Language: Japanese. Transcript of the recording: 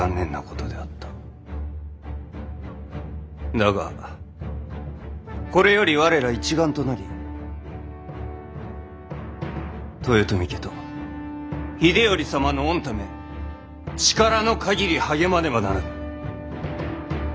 だがこれより我ら一丸となり豊臣家と秀頼様の御為力の限り励まねばならぬ。